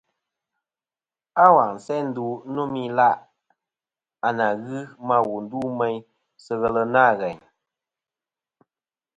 À, wa n-se ndu nô mɨ ilaʼ a nà ghɨ ma wà ndu meyn sɨ ghelɨ nâ ghèyn.